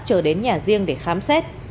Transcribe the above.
trở đến nhà riêng để khám xét